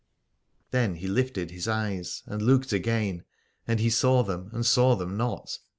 Then he lifted his eyes and looked again : and he saw them and saw them not.